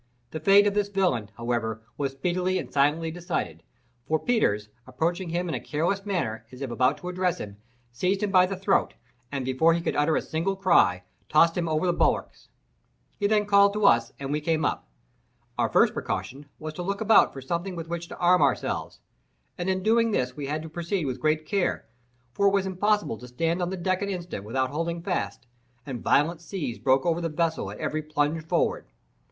The fate of this villain, however, was speedily and silently decided; for Peters, approaching him in a careless manner, as if about to address him, seized him by the throat, and, before he could utter a single cry, tossed him over the bulwarks. He then called to us, and we came up. Our first precaution was to look about for something with which to arm ourselves, and in doing this we had to proceed with great care, for it was impossible to stand on deck an instant without holding fast, and violent seas broke over the vessel at every plunge forward.